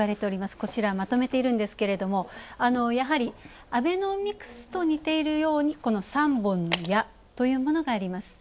こちらまとめているんですけれどもやはりアベノミクスとと似ているようにこの３本の矢というものがあります。